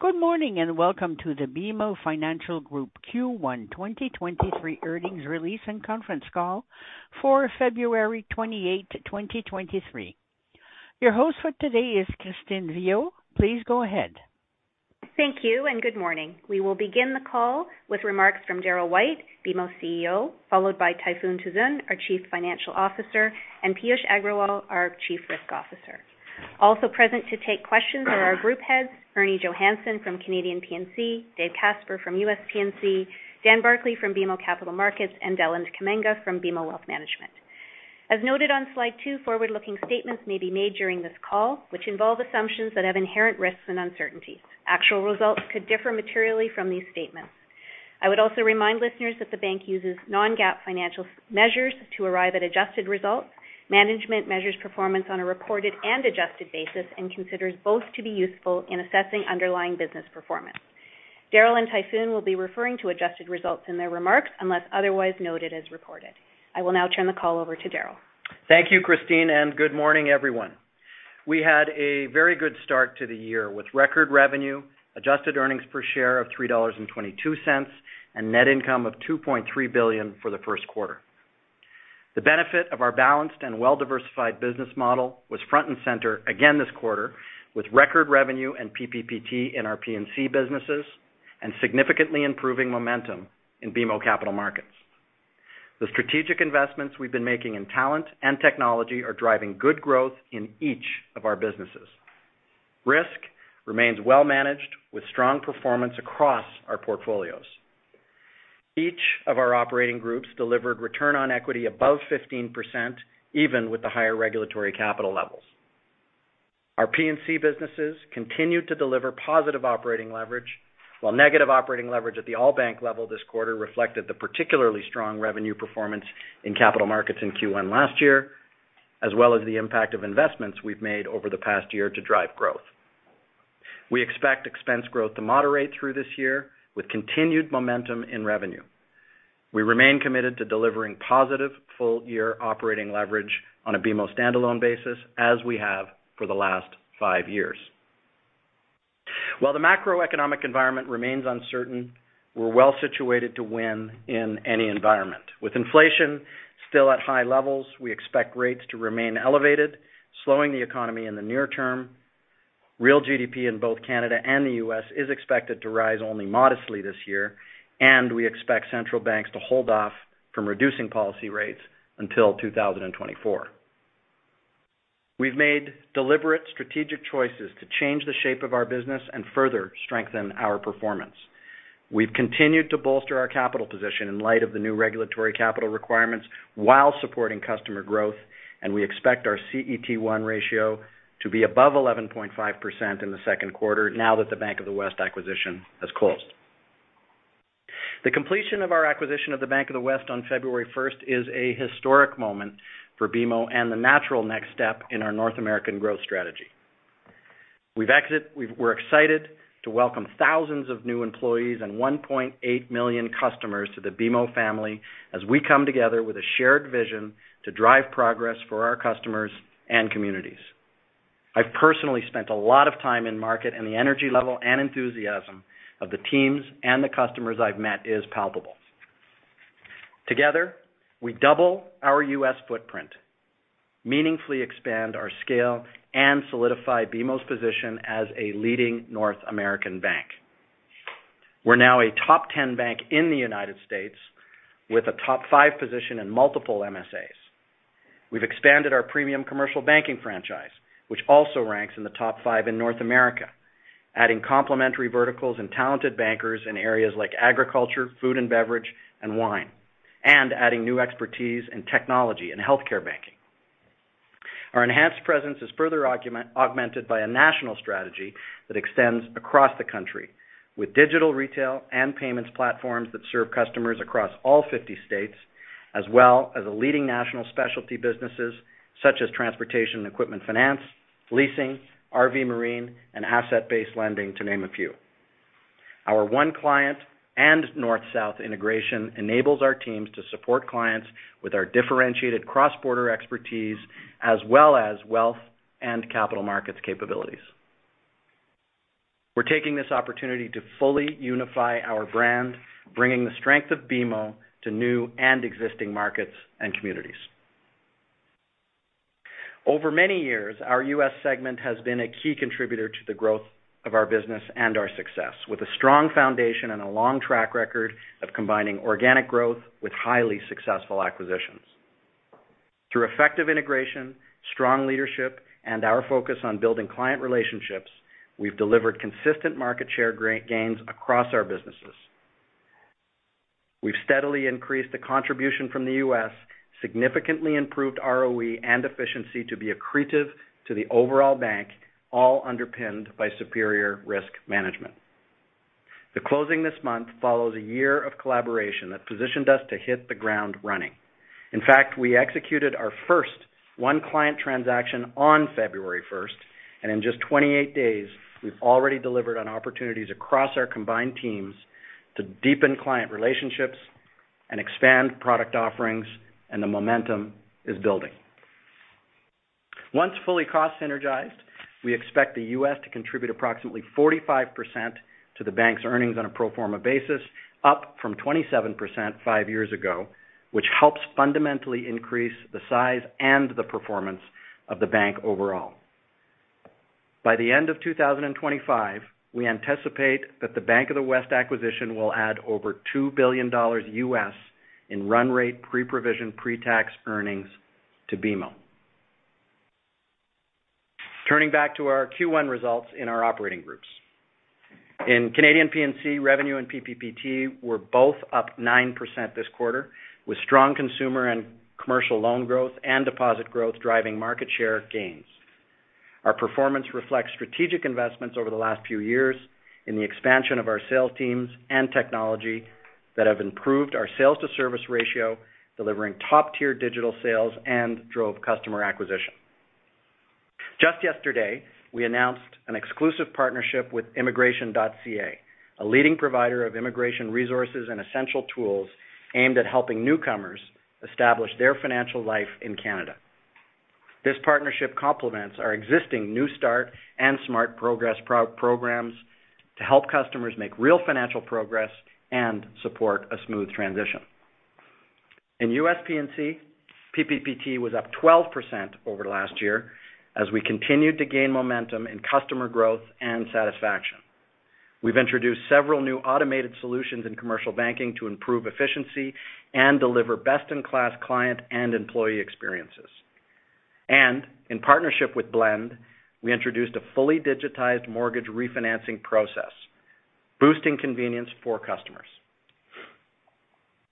Good morning, and welcome to the BMO Financial Group Q1 2023 earnings release and conference call for February 28, 2023. Your host for today is Christine Viau. Please go ahead. Thank you and good morning. We will begin the call with remarks from Darryl White, BMO CEO, followed by Tayfun Tuzun, our Chief Financial Officer, and Piyush Agrawal, our Chief Risk Officer. Also present to take questions are our group heads, Ernie Johannson from Canadian PNC, Dave Casper from US PNC, Dan Barclay from BMO Capital Markets, and Deland Kamanga from BMO Wealth Management. As noted on slide two, forward-looking statements may be made during this call, which involve assumptions that have inherent risks and uncertainties. Actual results could differ materially from these statements. I would also remind listeners that the bank uses non-GAAP financial measures to arrive at adjusted results. Management measures performance on a reported and adjusted basis and considers both to be useful in assessing underlying business performance. Darryl and Tayfun will be referring to adjusted results in their remarks, unless otherwise noted as reported. I will now turn the call over to Darryl. Thank you, Christine. Good morning, everyone. We had a very good start to the year, with record revenue, adjusted earnings per share of $3.22, and net income of $2.3 billion for the first quarter. The benefit of our balanced and well-diversified business model was front and center again this quarter, with record revenue and PPPT in our PNC businesses and significantly improving momentum in BMO Capital Markets. The strategic investments we've been making in talent and technology are driving good growth in each of our businesses. Risk remains well managed, with strong performance across our portfolios. Each of our operating groups delivered return on equity above 15%, even with the higher regulatory capital levels. Our PNC businesses continued to deliver positive operating leverage, while negative operating leverage at the all-bank level this quarter reflected the particularly strong revenue performance in capital markets in Q1 last year, as well as the impact of investments we've made over the past year to drive growth. We expect expense growth to moderate through this year with continued momentum in revenue. We remain committed to delivering positive full-year operating leverage on a BMO standalone basis, as we have for the last 5 years. While the macroeconomic environment remains uncertain, we're well-situated to win in any environment. With inflation still at high levels, we expect rates to remain elevated, slowing the economy in the near term. Real GDP in both Canada and the U.S. is expected to rise only modestly this year, and we expect central banks to hold off from reducing policy rates until 2024. We've made deliberate strategic choices to change the shape of our business and further strengthen our performance. We've continued to bolster our capital position in light of the new regulatory capital requirements while supporting customer growth. We expect our CET1 ratio to be above 11.5% in the second quarter now that the Bank of the West acquisition has closed. The completion of our acquisition of the Bank of the West on February first is a historic moment for BMO and the natural next step in our North American growth strategy. We're excited to welcome thousands of new employees and 1.8 million customers to the BMO family as we come together with a shared vision to drive progress for our customers and communities. I've personally spent a lot of time in market, and the energy level and enthusiasm of the teams and the customers I've met is palpable. Together, we double our U.S. footprint, meaningfully expand our scale, and solidify BMO's position as a leading North American bank. We're now a Top 10 bank in the U.S. with a Top 5 position in multiple MSAs. We've expanded our premium commercial banking franchise, which also ranks in the Top 5 in North America, adding complementary verticals and talented bankers in areas like agriculture, food and beverage, and wine, and adding new expertise in technology and healthcare banking. Our enhanced presence is further augmented by a national strategy that extends across the country with digital retail and payments platforms that serve customers across all 50 states, as well as the leading national specialty businesses such as transportation and equipment finance, leasing, RV & Marine, and asset-based lending, to name a few. Our one client and North-South integration enables our teams to support clients with our differentiated cross-border expertise as well as wealth and capital markets capabilities. We're taking this opportunity to fully unify our brand, bringing the strength of BMO to new and existing markets and communities. Over many years, our U.S. segment has been a key contributor to the growth of our business and our success, with a strong foundation and a long track record of combining organic growth with highly successful acquisitions. Through effective integration, strong leadership, and our focus on building client relationships, we've delivered consistent market share gains across our businesses. We've steadily increased the contribution from the U.S., significantly improved ROE and efficiency to be accretive to the overall bank, all underpinned by superior risk management. The closing this month follows a year of collaboration that positioned us to hit the ground running. In fact, we executed our first one client transaction on February 1st, and in just 28 days, we've already delivered on opportunities across our combined teams to deepen client relationships and expand product offerings, and the momentum is building. Once fully cost synergized, we expect the U.S. to contribute approximately 45% to the bank's earnings on a pro forma basis, up from 27% five years ago, which helps fundamentally increase the size and the performance of the bank overall. By the end of 2025, we anticipate that the Bank of the West acquisition will add over $2 billion in run rate pre-provision, pre-tax earnings to BMO. Turning back to our Q1 results in our operating groups. In Canadian PNC, revenue and PPPT were both up 9% this quarter, with strong consumer and commercial loan growth and deposit growth driving market share gains. Our performance reflects strategic investments over the last few years in the expansion of our sales teams and technology that have improved our sales to service ratio, delivering Top-Tier digital sales and drove customer acquisition. Just yesterday, we announced an exclusive partnership with immigration.ca, a leading provider of immigration resources and essential tools aimed at helping newcomers establish their financial life in Canada. This partnership complements our existing NewStart and SmartProgress pro-programs to help customers make real financial progress and support a smooth transition. In USPNC, PPPT was up 12% over last year as we continued to gain momentum in customer growth and satisfaction. We've introduced several new automated solutions in commercial banking to improve efficiency and deliver best-in-class client and employee experiences. In partnership with Blend, we introduced a fully digitized mortgage refinancing process, boosting convenience for customers.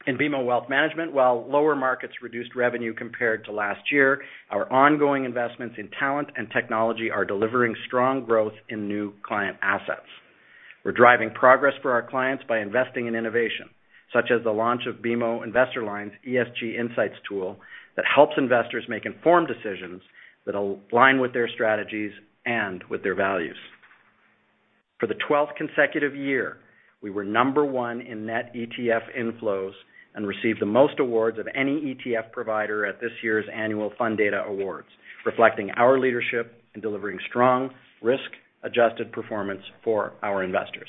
In BMO Wealth Management, while lower markets reduced revenue compared to last year, our ongoing investments in talent and technology are delivering strong growth in new client assets. We're driving progress for our clients by investing in innovation, such as the launch of BMO InvestorLine's ESG Insights tool that helps investors make informed decisions that align with their strategies and with their values. For the 12th consecutive year, we were number one in net ETF inflows and received the most awards of any ETF provider at this year's annual Fundata Awards, reflecting our leadership in delivering strong risk-adjusted performance for our investors.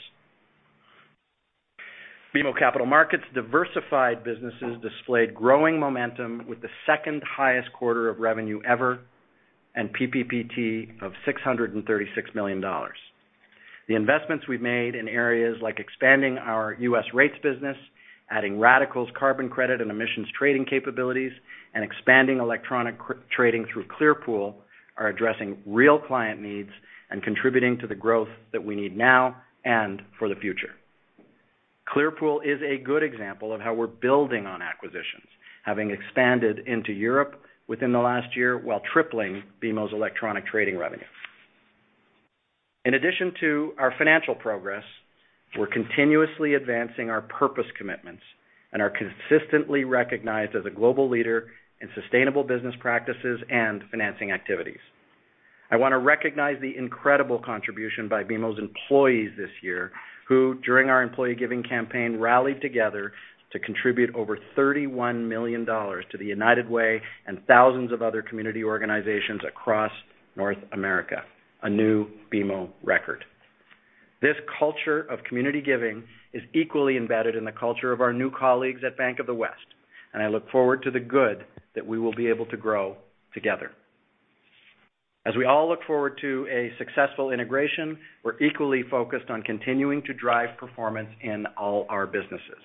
BMO Capital Markets' diversified businesses displayed growing momentum with the second-highest quarter of revenue ever and PPPT of $636 million. The investments we've made in areas like expanding our U.S. rates business, adding Radicle's carbon credit and emissions trading capabilities, and expanding electronic trading through Clearpool are addressing real client needs and contributing to the growth that we need now and for the future. Clearpool is a good example of how we're building on acquisitions, having expanded into Europe within the last year while tripling BMO's electronic trading revenue. In addition to our financial progress, we're continuously advancing our purpose commitments and are consistently recognized as a global leader in sustainable business practices and financing activities. I wanna recognize the incredible contribution by BMO's employees this year, who, during our employee giving campaign, rallied together to contribute over $31 million to the United Way and thousands of other community organizations across North America, a new BMO record. This culture of community giving is equally embedded in the culture of our new colleagues at Bank of the West. I look forward to the good that we will be able to grow together. As we all look forward to a successful integration, we're equally focused on continuing to drive performance in all our businesses.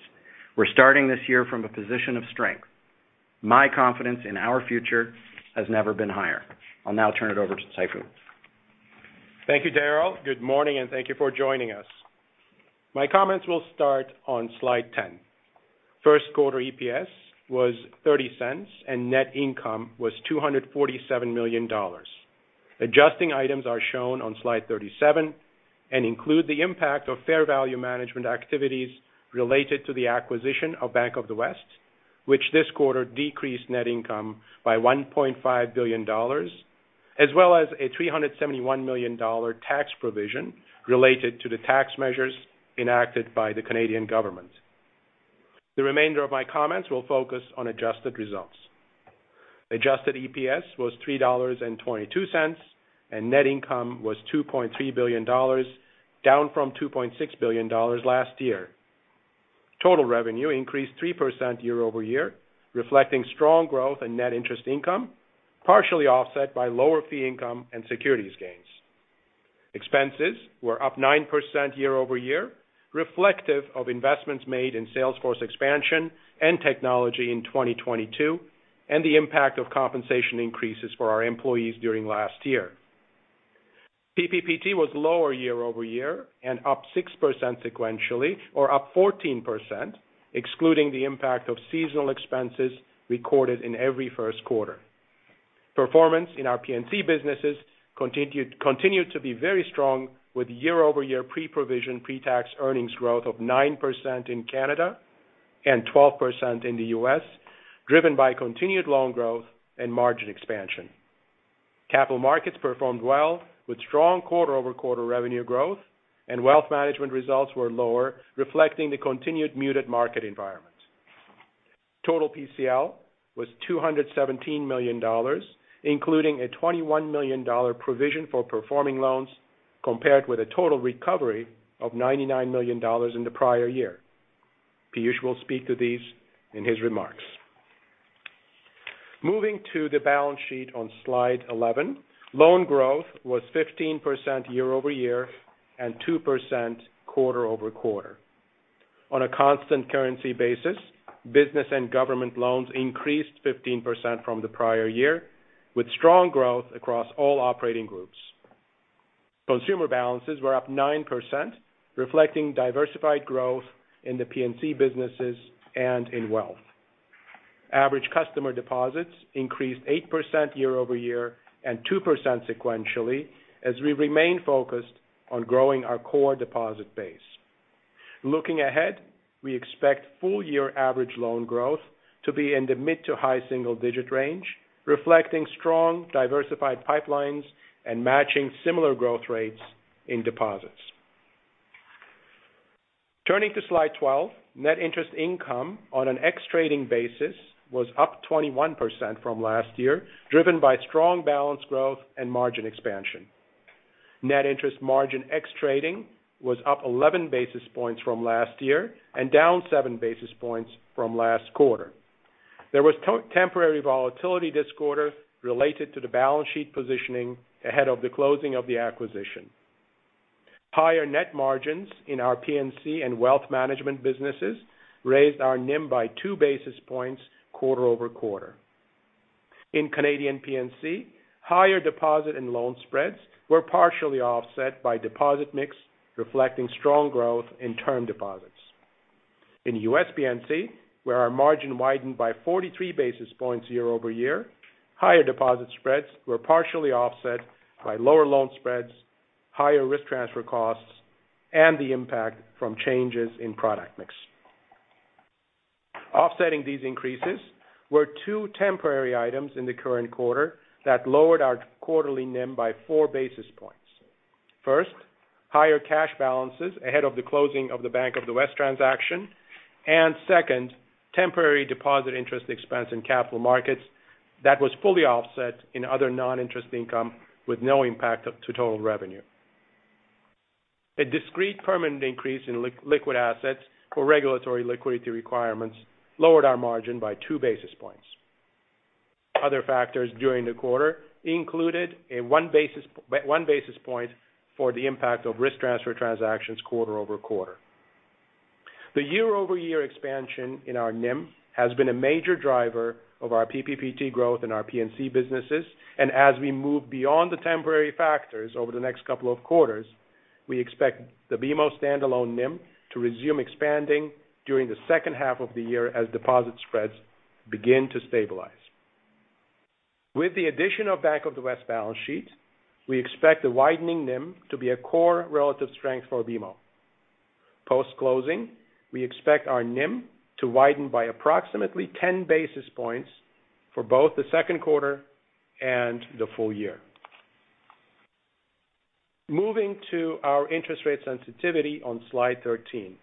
We're starting this year from a position of strength. My confidence in our future has never been higher. I'll now turn it over to Tayfun. Thank you, Darryl. Good morning, and thank you for joining us. My comments will start on slide 10. First quarter EPS was 0.30, and net income was 247 million dollars. Adjusting items are shown on slide 37 and include the impact of fair value management activities related to the acquisition of Bank of the West, which this quarter decreased net income by 1.5 billion dollars, as well as a 371 million dollar tax provision related to the tax measures enacted by the Canadian government. The remainder of my comments will focus on adjusted results. Adjusted EPS was 3.22 dollars, and net income was 2.3 billion dollars, down from 2.6 billion dollars last year. Total revenue increased 3% year-over-year, reflecting strong growth and net interest income, partially offset by lower fee income and securities gains. Expenses were up 9% year-over-year, reflective of investments made in salesforce expansion and technology in 2022, and the impact of compensation increases for our employees during last year. PPPT was lower year-over-year and up 6% sequentially or up 14% excluding the impact of seasonal expenses recorded in every first quarter. Performance in our PNC businesses continued to be very strong with year-over-year pre-provision, pre-tax earnings growth of 9% in Canada and 12% in the U.S., driven by continued loan growth and margin expansion. Capital markets performed well with strong quarter-over-quarter revenue growth. Wealth management results were lower, reflecting the continued muted market environment. Total PCL was 217 million dollars, including a 21 million dollar provision for performing loans, compared with a total recovery of 99 million dollars in the prior year. Piyush will speak to these in his remarks. Moving to the balance sheet on slide 11, loan growth was 15% year-over-year and 2% quarter-over-quarter. On a constant currency basis, business and government loans increased 15% from the prior year, with strong growth across all operating groups. Consumer balances were up 9%, reflecting diversified growth in the PNC businesses and in Wealth. Average customer deposits increased 8% year-over-year and 2% sequentially as we remain focused on growing our core deposit base. Looking ahead, we expect full year average loan growth to be in the mid to high single-digit range, reflecting strong diversified pipelines and matching similar growth rates in deposits. Turning to slide 12, net interest income on an ex-trading basis was up 21% from last year, driven by strong balance growth and margin expansion. Net interest margin ex trading was up 11 basis points from last year and down seven basis points from last quarter. There was temporary volatility this quarter related to the balance sheet positioning ahead of the closing of the acquisition. Higher net margins in our P&C and Wealth Management businesses raised our NIM by two basis points quarter over quarter. In Canadian P&C, higher deposit and loan spreads were partially offset by deposit mix, reflecting strong growth in term deposits. In US PNC, where our margin widened by 43 basis points year-over-year, higher deposit spreads were partially offset by lower loan spreads, higher risk transfer costs, and the impact from changes in product mix. Offsetting these increases were two temporary items in the current quarter that lowered our quarterly NIM by four basis points. First, higher cash balances ahead of the closing of the Bank of the West transaction. Second, temporary deposit interest expense in capital markets that was fully offset in other non-interest income with no impact up to total revenue. A discrete permanent increase in liquid assets for regulatory liquidity requirements lowered our margin by two basis points. Other factors during the quarter included a one basis point for the impact of risk transfer transactions quarter-over-quarter. The year-over-year expansion in our NIM has been a major driver of our PPPT growth in our PNC businesses. As we move beyond the temporary factors over the next couple of quarters, we expect the BMO standalone NIM to resume expanding during the second half of the year as deposit spreads begin to stabilize. With the addition of Bank of the West balance sheets, we expect the widening NIM to be a core relative strength for BMO. Post-closing, we expect our NIM to widen by approximately 10 basis points for both the second quarter and the full year. Moving to our interest rate sensitivity on slide 13.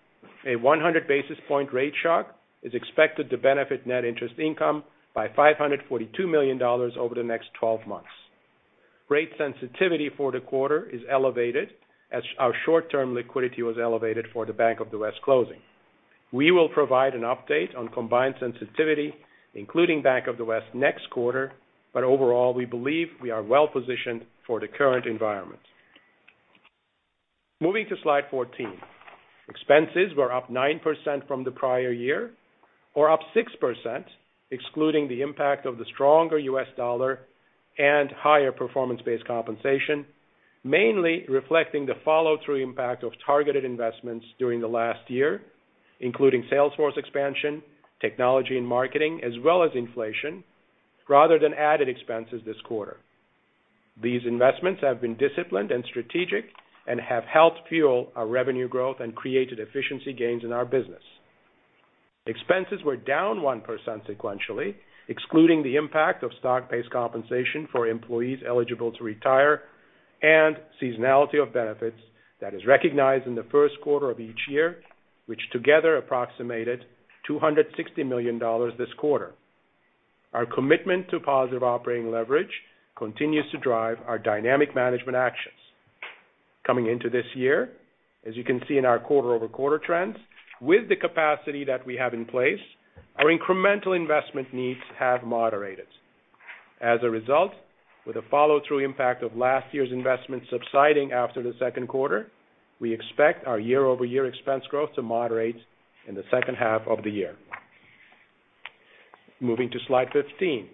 A 100 basis point rate shock is expected to benefit net interest income by $542 million over the next 12 months. Rate sensitivity for the quarter is elevated as our short-term liquidity was elevated for the Bank of the West closing. We will provide an update on combined sensitivity, including Bank of the West next quarter, but overall, we believe we are well positioned for the current environment. Moving to slide 14. Expenses were up 9% from the prior year or up 6% excluding the impact of the stronger US dollar and higher performance-based compensation, mainly reflecting the follow-through impact of targeted investments during the last year, including sales force expansion, technology, and marketing, as well as inflation rather than added expenses this quarter. These investments have been disciplined and strategic and have helped fuel our revenue growth and created efficiency gains in our business. Expenses were down 1% sequentially, excluding the impact of stock-based compensation for employees eligible to retire and seasonality of benefits that is recognized in the first quarter of each year, which together approximated 260 million dollars this quarter. Our commitment to positive operating leverage continues to drive our dynamic management actions. Coming into this year, as you can see in our quarter-over-quarter trends, with the capacity that we have in place, our incremental investment needs have moderated. As a result, with the follow-through impact of last year's investment subsiding after the second quarter, we expect our year-over-year expense growth to moderate in the second half of the year. Moving to slide 15.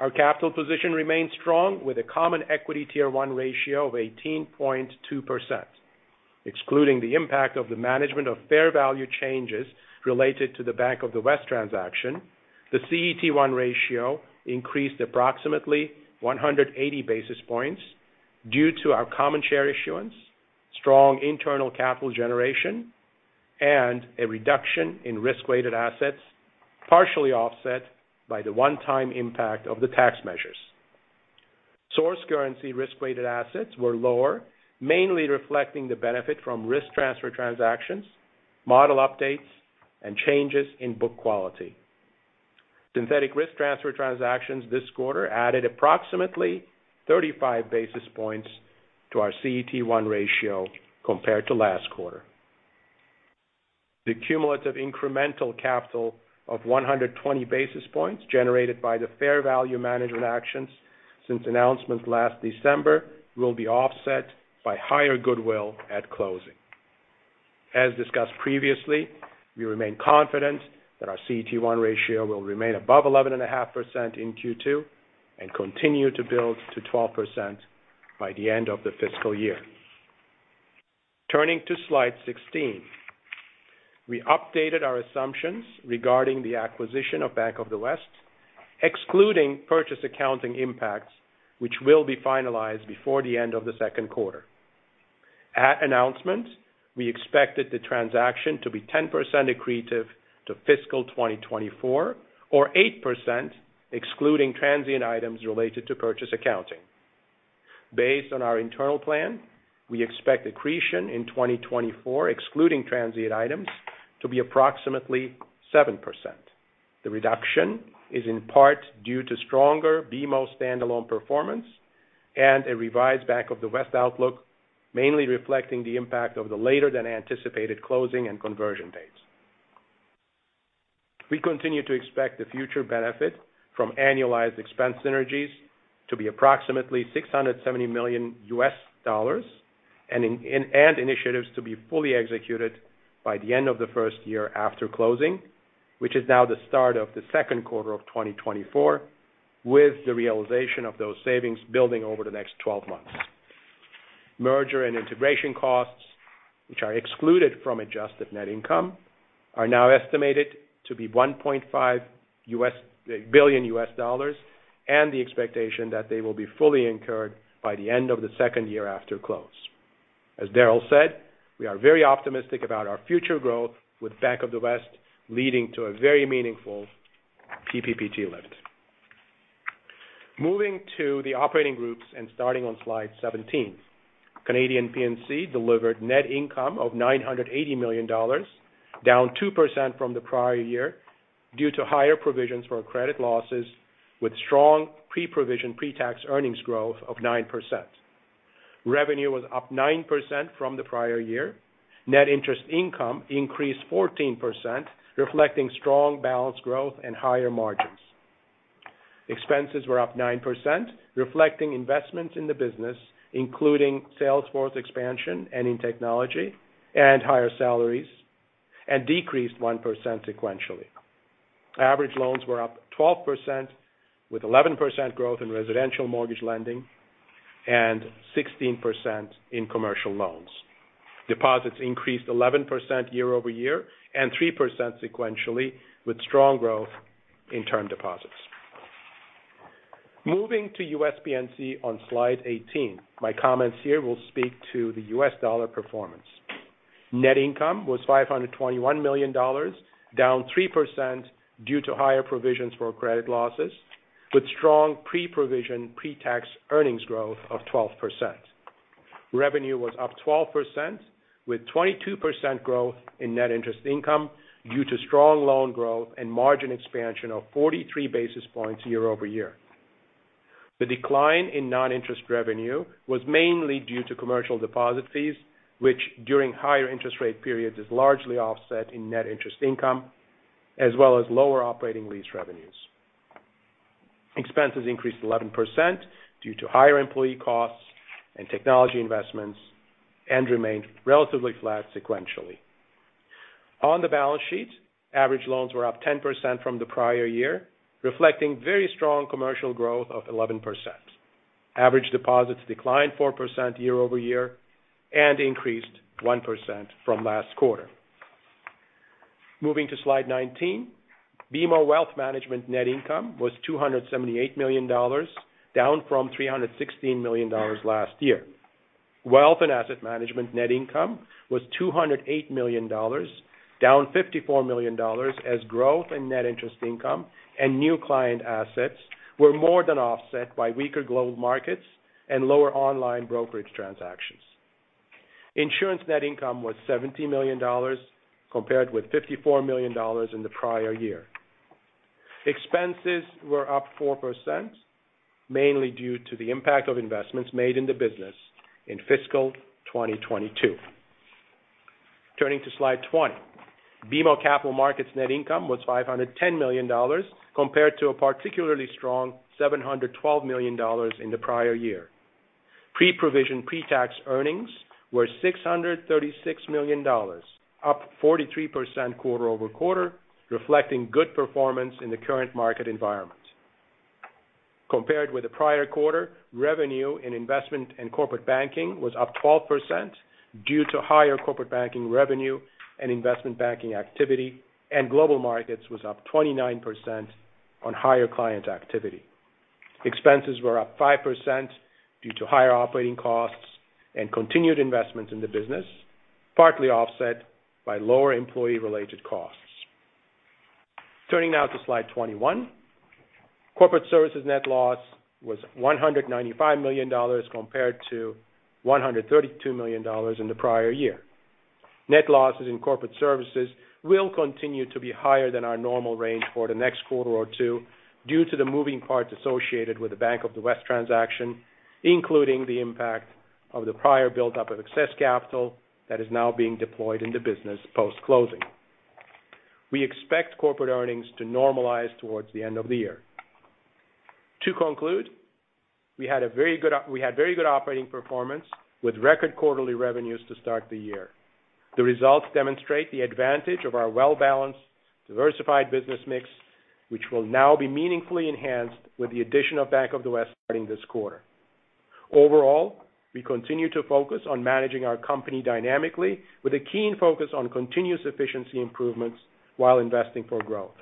Our capital position remains strong with a Common Equity Tier 1 ratio of 18.2%. Excluding the impact of the management of fair value changes related to the Bank of the West transaction, the CET1 ratio increased approximately 180 basis points due to our common share issuance, strong internal capital generation, and a reduction in risk-weighted assets, partially offset by the one-time impact of the tax measures. Source currency risk-weighted assets were lower, mainly reflecting the benefit from risk transfer transactions, model updates, and changes in book quality. Synthetic risk transfer transactions this quarter added approximately 35 basis points to our CET1 ratio compared to last quarter. The cumulative incremental capital of 120 basis points generated by the fair value management actions since announcement last December will be offset by higher goodwill at closing. As discussed previously, we remain confident that our CET1 ratio will remain above 11.5% in Q2 and continue to build to 12% by the end of the fiscal year. Turning to slide 16. We updated our assumptions regarding the acquisition of Bank of the West, excluding purchase accounting impacts, which will be finalized before the end of the second quarter. At announcement, we expected the transaction to be 10% accretive to fiscal 2024 or 8% excluding transient items related to purchase accounting. Based on our internal plan, we expect accretion in 2024, excluding transient items, to be approximately 7%. The reduction is in part due to stronger BMO standalone performance and a revised Bank of the West outlook, mainly reflecting the impact of the later than anticipated closing and conversion dates. We continue to expect the future benefit from annualized expense synergies to be approximately $670 million U.S. dollars and initiatives to be fully executed by the end of the first year after closing, which is now the start of the second quarter of 2024, with the realization of those savings building over the next 12 months. Merger and integration costs, which are excluded from adjusted net income, are now estimated to be $1.5 billion U.S. dollars and the expectation that they will be fully incurred by the end of the second year after close. As Darryl said, we are very optimistic about our future growth with Bank of the West, leading to a very meaningful PPPT lift. Moving to the operating groups and starting on slide 17. Canadian PNC delivered net income of 980 million dollars, down 2% from the prior year due to higher provisions for credit losses with strong pre-provision, pre-tax earnings growth of 9%. Revenue was up 9% from the prior year. Net interest income increased 14%, reflecting strong balance growth and higher margins. Expenses were up 9%, reflecting investments in the business, including sales force expansion and in technology and higher salaries, and decreased 1% sequentially. Average loans were up 12%, with 11% growth in residential mortgage lending and 16% in commercial loans. Deposits increased 11% year-over-year and 3% sequentially, with strong growth in term deposits. Moving to US PNC on slide 18. My comments here will speak to the US dollar performance. Net income was $521 million, down 3% due to higher provisions for credit losses, with strong pre-provision, pre-tax earnings growth of 12%. Revenue was up 12%, with 22% growth in net interest income due to strong loan growth and margin expansion of 43 basis points year-over-year. The decline in non-interest revenue was mainly due to commercial deposit fees, which during higher interest rate periods is largely offset in net interest income, as well as lower operating lease revenues. Expenses increased 11% due to higher employee costs and technology investments, and remained relatively flat sequentially. On the balance sheet, average loans were up 10% from the prior year, reflecting very strong commercial growth of 11%. Average deposits declined 4% year-over-year and increased 1% from last quarter. Moving to slide 19. BMO Wealth Management net income was 278 million dollars, down from 316 million dollars last year. Wealth and asset management net income was 208 million dollars, down 54 million dollars as growth in net interest income and new client assets were more than offset by weaker global markets and lower online brokerage transactions. Insurance net income was 70 million dollars, compared with 54 million dollars in the prior year. Expenses were up 4%, mainly due to the impact of investments made in the business in fiscal 2022. Turning to slide 20. BMO Capital Markets net income was 510 million dollars, compared to a particularly strong 712 million dollars in the prior year. Pre-provision, pre-tax earnings were 636 million dollars, up 43% quarter-over-quarter, reflecting good performance in the current market environment. Compared with the prior quarter, revenue in investment and corporate banking was up 12% due to higher corporate banking revenue and investment banking activity. Global markets was up 29% on higher client activity. Expenses were up 5% due to higher operating costs and continued investments in the business, partly offset by lower employee-related costs. Turning now to slide 21. Corporate services net loss was 195 million dollars compared to 132 million dollars in the prior year. Net losses in corporate services will continue to be higher than our normal range for the next quarter or two due to the moving parts associated with the Bank of the West transaction, including the impact of the prior buildup of excess capital that is now being deployed in the business post-closing. We expect corporate earnings to normalize towards the end of the year. To conclude, we had very good operating performance with record quarterly revenues to start the year. The results demonstrate the advantage of our well-balanced, diversified business mix, which will now be meaningfully enhanced with the addition of Bank of the West starting this quarter. Overall, we continue to focus on managing our company dynamically with a keen focus on continuous efficiency improvements while investing for growth.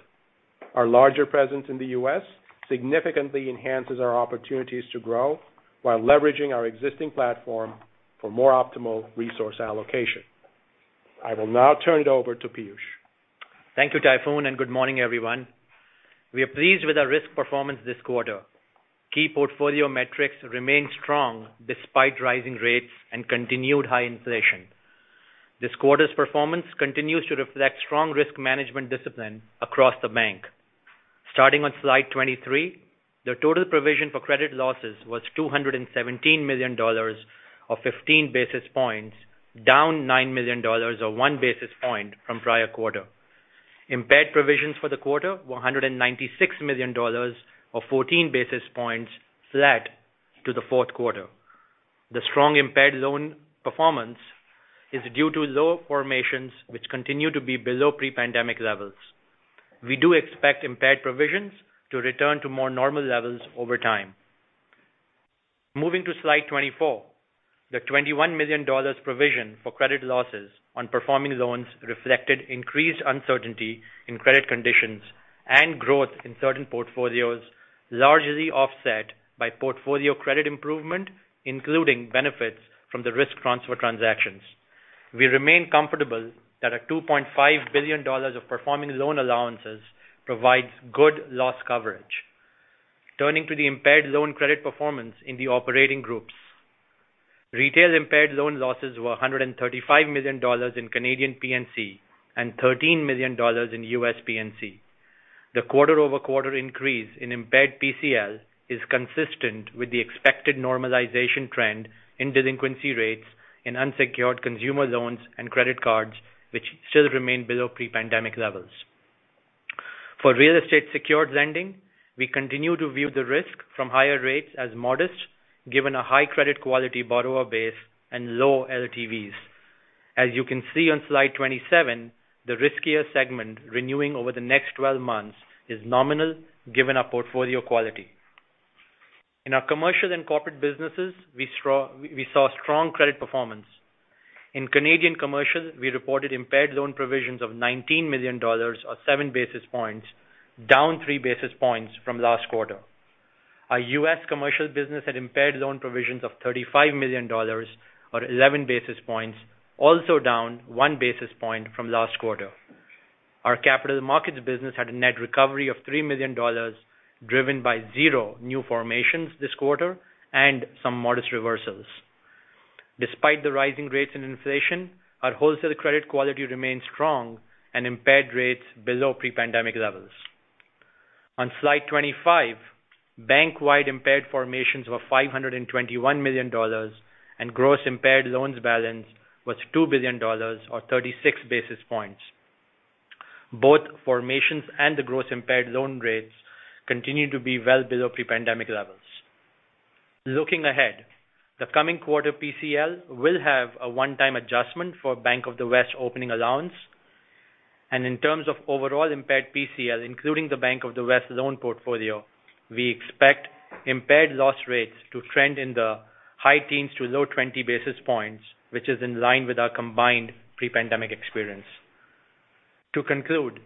Our larger presence in the U.S. significantly enhances our opportunities to grow while leveraging our existing platform for more optimal resource allocation. I will now turn it over to Piyush. Thank you, Tayfun, and good morning, everyone. We are pleased with our risk performance this quarter. Key portfolio metrics remain strong despite rising rates and continued high inflation. This quarter's performance continues to reflect strong risk management discipline across the bank. Starting on slide 23, the total provision for credit losses was 217 million dollars, or 15 basis points, down 9 million dollars, or one basis point from prior quarter. Impaired provisions for the quarter were 196 million dollars, or 14 basis points flat to the 4th quarter. The strong impaired loan performance is due to low formations which continue to be below pre-pandemic levels. We do expect impaired provisions to return to more normal levels over time. Moving to slide 24. The 21 million dollars provision for credit losses on performing loans reflected increased uncertainty in credit conditions and growth in certain portfolios, largely offset by portfolio credit improvement, including benefits from the risk transfer transactions. We remain comfortable that our 2.5 billion dollars of performing loan allowances provides good loss coverage. Turning to the impaired loan credit performance in the operating groups. Retail impaired loan losses were 135 million dollars in Canadian PNC and 13 million dollars in US PNC. The quarter-over-quarter increase in impaired PCL is consistent with the expected normalization trend in delinquency rates in unsecured consumer loans and credit cards, which still remain below pre-pandemic levels. For real estate secured lending, we continue to view the risk from higher rates as modest given a high credit quality borrower base and low LTVs. As you can see on slide 27, the riskier segment renewing over the next 12 months is nominal given our portfolio quality. In our commercial and corporate businesses, we saw strong credit performance. In Canadian commercial, we reported impaired loan provisions of 19 million dollars, or seven basis points, down three basis points from last quarter. Our U.S. commercial business had impaired loan provisions of $35 million or 11 basis points, also down one basis point from last quarter. Our capital markets business had a net recovery of 3 million dollars, driven by zero new formations this quarter and some modest reversals. Despite the rising rates and inflation, our wholesale credit quality remains strong and impaired rates below pre-pandemic levels. On slide 25, bank-wide impaired formations were 521 million dollars and gross impaired loans balance was 2 billion dollars or 36 basis points. Both formations and the gross impaired loan rates continue to be well below pre-pandemic levels. Looking ahead, the coming quarter PCL will have a one-time adjustment for Bank of the West opening allowance. In terms of overall impaired PCL, including the Bank of the West loan portfolio, we expect impaired loss rates to trend in the high teens to low 20 basis points, which is in line with our combined pre-pandemic experience. To conclude,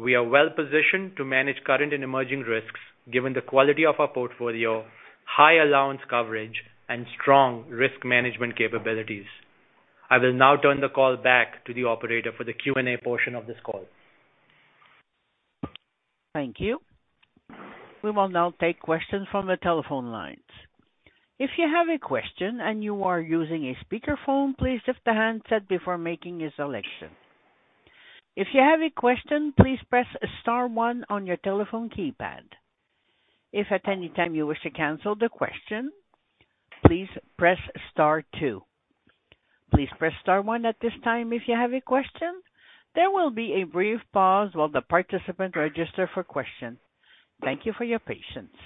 we are well positioned to manage current and emerging risks given the quality of our portfolio, high allowance coverage, and strong risk management capabilities. I will now turn the call back to the operator for the Q&A portion of this call. Thank you. We will now take questions from the telephone lines. If you have a question and you are using a speakerphone, please lift the handset before making your selection. If you have a question, please press star one on your telephone keypad. If at any time you wish to cancel the question, please press star two. Please press star one at this time if you have a question. There will be a brief pause while the participants register for questions. Thank you for your patience.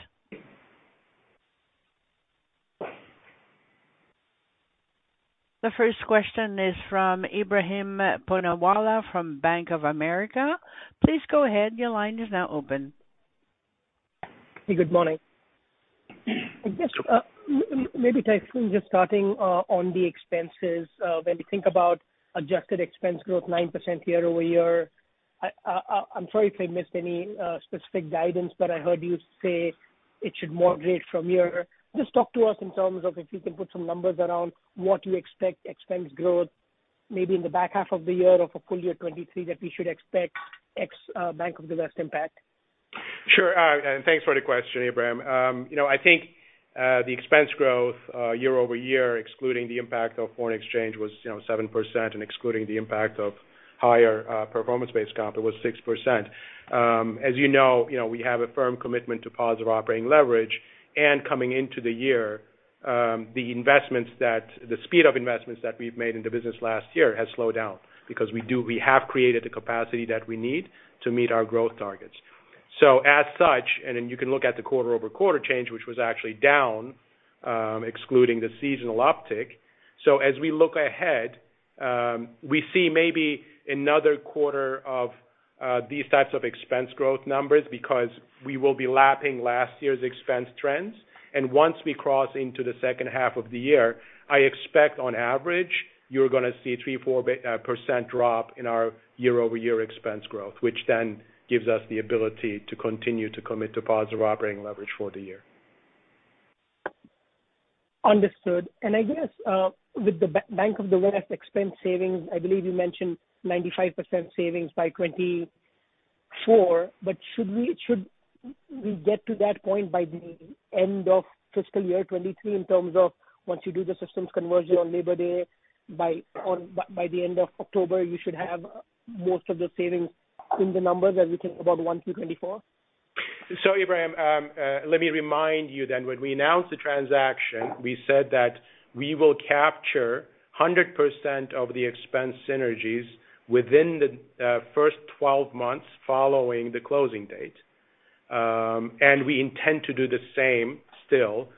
The first question is from Ebrahim Poonawala from Bank of America. Please go ahead. Your line is now open. Hey, good morning. I guess, maybe Tayfun just starting on the expenses. When you think about adjusted expense growth 9% year-over-year, I'm sorry if I missed any specific guidance, but I heard you say it should moderate from here. Just talk to us in terms of if you can put some numbers around what you expect expense growth maybe in the back half of the year of a full year 2023 that we should expect ex Bank of the West impact? Sure. Thanks for the question, Ebrahim. You know, I think the expense growth year-over-year, excluding the impact of foreign exchange was, you know, 7%, and excluding the impact of higher performance-based comp, it was 6%. As you know, you know, we have a firm commitment to positive operating leverage. Coming into the year, the speed of investments that we've made in the business last year has slowed down because we have created the capacity that we need to meet our growth targets. As such, you can look at the quarter-over-quarter change, which was actually down, excluding the seasonal uptick. As we look ahead, we see maybe another quarter of these types of expense growth numbers because we will be lapping last year's expense trends. Once we cross into the second half of the year, I expect on average, you're gonna see 3%, 4% drop in our year-over-year expense growth, which then gives us the ability to continue to commit to positive operating leverage for the year. Understood. I guess, with the Bank of the West expense savings, I believe you mentioned 95% savings by 2024. Should we get to that point by the end of fiscal year 2023 in terms of once you do the systems conversion on Labor Day, by the end of October, you should have most of the savings in the numbers as we think about one through 2024? Ebrahim, let me remind you then. When we announced the transaction, we said that we will capture 100% of the expense synergies within the first 12 months following the closing date. We intend to do the same still.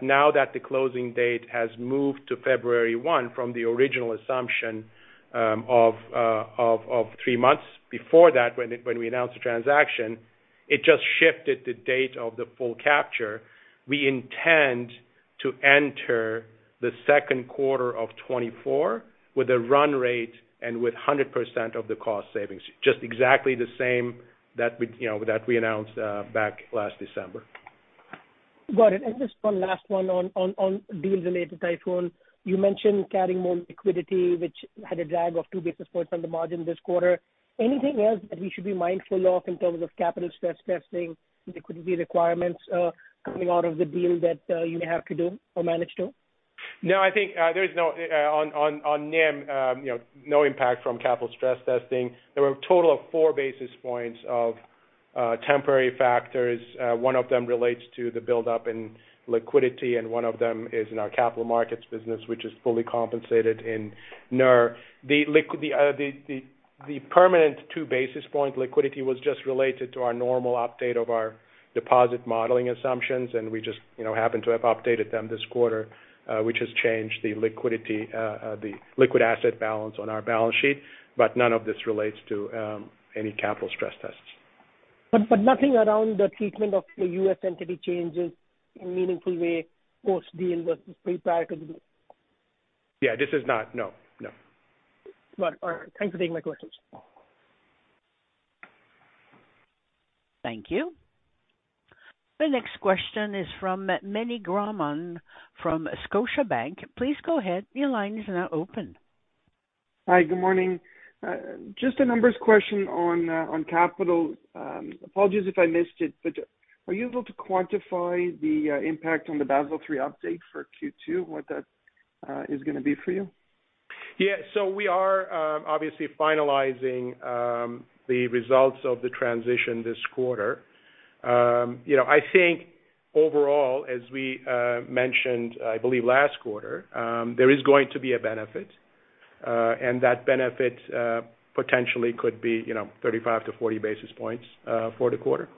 Now that the closing date has moved to February 1 from the original assumption of three months before that when we announced the transaction, it just shifted the date of the full capture. We intend to enter the second quarter of 2024 with a run rate and with 100% of the cost savings. Just exactly the same that we, you know, that we announced back last December. Got it. just one last one on deals related to Tayfun. You mentioned carrying more liquidity, which had a drag of two basis points on the margin this quarter. Anything else that we should be mindful of in terms of capital stress testing, liquidity requirements, coming out of the deal that you have to do or manage to? I think there's no, on NIM, you know, no impact from capital stress testing. There were a total of four basis points of temporary factors. One of them relates to the buildup in liquidity, and one of them is in our capital markets business, which is fully compensated in Net Revenue. The permanent two basis point liquidity was just related to our normal update of our deposit modeling assumptions, and we just, you know, happen to have updated them this quarter, which has changed the liquidity, the liquid asset balance on our balance sheet. None of this relates to any capital stress tests. Nothing around the treatment of the U.S. entity changes in a meaningful way post-deal versus pre, prior to the deal? Yeah. This is not No, no. Got it. All right. Thanks for taking my questions. Thank you. The next question is from Meny Grauman from Scotiabank. Please go ahead. Your line is now open. Hi. Good morning. Just a numbers question on capital. Apologies if I missed it, but are you able to quantify the impact on the Basel III update for Q2, what that is gonna be for you? We are obviously finalizing the results of the transition this quarter. You know, I think overall, as we mentioned, I believe last quarter, there is going to be a benefit. That benefit potentially could be, you know, 35-40 basis points for the quarter.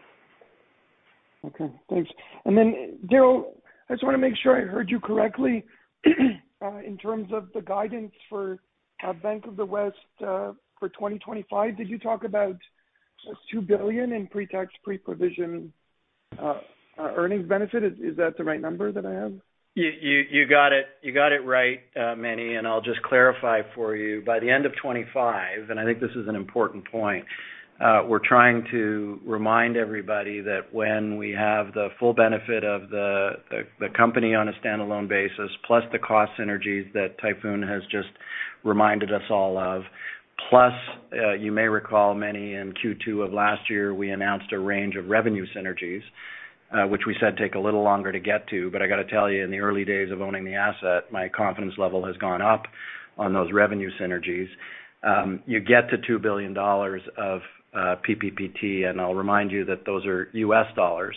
Okay. Thanks. Then Darryl, I just wanna make sure I heard you correctly. In terms of the guidance for Bank of the West for 2025, did you talk about $2 billion in pre-tax, pre-provision earnings benefit? Is that the right number that I have? You got it. You got it right, Manny, I'll just clarify for you. By the end of 2025, I think this is an important point, we're trying to remind everybody that when we have the full benefit of the company on a standalone basis, plus the cost synergies that Tayfun has just reminded us all of. Plus, you may recall Manny, in Q2 of last year, we announced a range of revenue synergies, which we said take a little longer to get to. I gotta tell you, in the early days of owning the asset, my confidence level has gone up on those revenue synergies. You get to $2 billion of PPPT, I'll remind you that those are US dollars.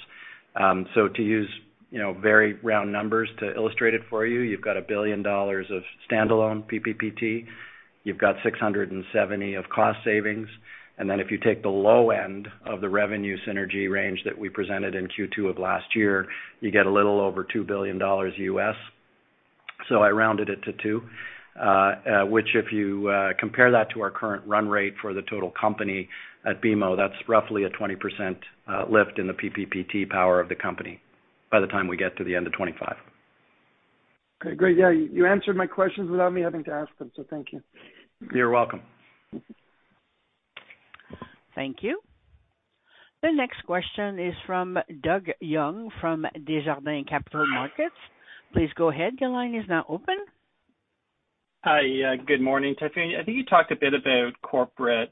To use, you know, very round numbers to illustrate it for you've got $1 billion of standalone PPPT. You've got $670 of cost savings. If you take the low end of the revenue synergy range that we presented in Q2 of last year, you get a little over $2 billion. I rounded it to 2, which if you compare that to our current run rate for the total company at BMO, that's roughly a 20% lift in the PPPT power of the company by the time we get to the end of 25. Okay, great. Yeah, you answered my questions without me having to ask them. Thank you. You're welcome. Thank you. The next question is from Doug Young from Desjardins Capital Markets. Please go ahead. Your line is now open. Hi. Good morning, Tayfun. I think you talked a bit about corporate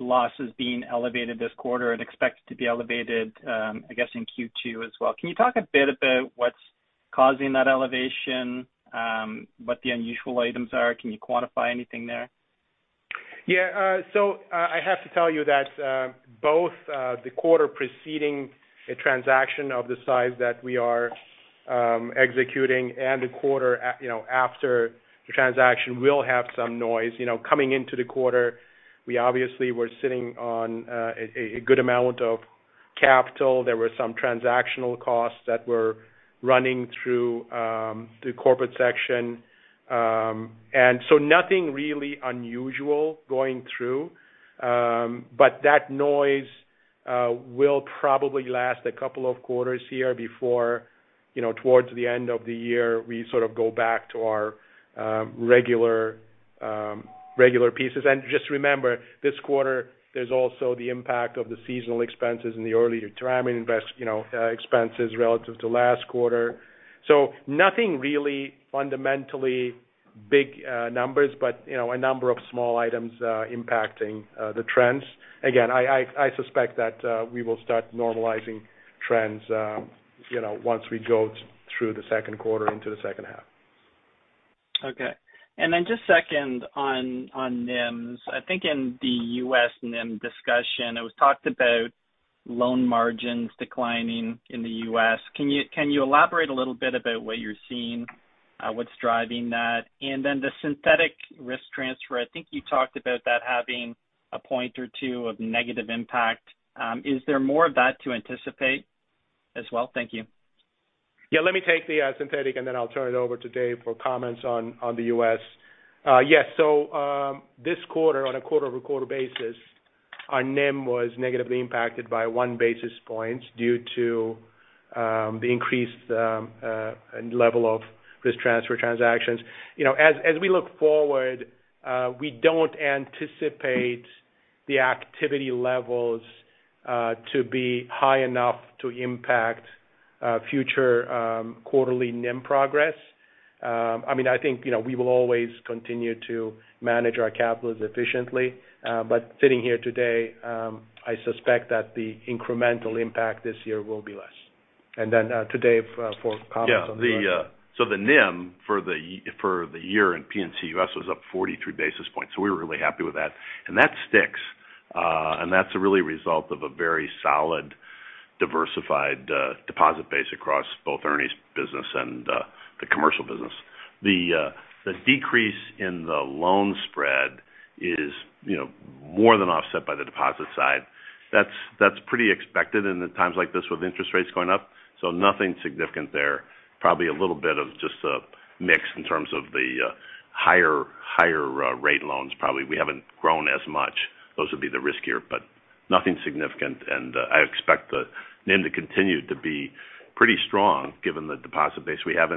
losses being elevated this quarter and expected to be elevated, I guess in Q2 as well. Can you talk a bit about what's causing that elevation? What the unusual items are? Can you quantify anything there? Yeah. So, I have to tell you that both the quarter preceding a transaction of the size that we are executing and the quarter, you know, after the transaction will have some noise. You know, coming into the quarter, we obviously were sitting on a good amount of capital. There were some transactional costs that were running through the corporate section. Nothing really unusual going through. That noise will probably last a couple of quarters here before, you know, towards the end of the year, we sort of go back to our regular regular pieces. Just remember, this quarter, there's also the impact of the seasonal expenses in the earlier trimming invest, you know, expenses relative to last quarter. Nothing really fundamentally big, numbers, but, you know, a number of small items, impacting the trends. I suspect that we will start normalizing trends, you know, once we go through the second quarter into the second half. Okay. Just second on NIMs. I think in the U.S. NIM discussion, it was talked about loan margins declining in the U.S. Can you elaborate a little bit about what you're seeing? What's driving that? The synthetic risk transfer, I think you talked about that having a point or two of negative impact. Is there more of that to anticipate as well? Thank you. Yeah. Let me take the synthetic, then I'll turn it over to Dave for comments on the U.S. Yes. This quarter, on a quarter-over-quarter basis, our NIM was negatively impacted by one basis point due to the increased level of risk transfer transactions. You know, as we look forward, we don't anticipate the activity levels to be high enough to impact future quarterly NIM progress. I mean, I think, you know, we will always continue to manage our capitals efficiently. Sitting here today, I suspect that the incremental impact this year will be less. Then to Dave for comments on the rest. Yeah. The NIM for the year in PNC US was up 43 basis points. We were really happy with that. That sticks. That's really a result of a very solid diversified deposit base across both Ernie's business and the commercial business. The decrease in the loan spread is, you know, more than offset by the deposit side. That's pretty expected in the times like this with interest rates going up, so nothing significant there. Probably a little bit of just a mix in terms of the higher rate loans, probably. We haven't grown as much. Those would be the riskier, but nothing significant. I expect the NIM to continue to be pretty strong given the deposit base we have.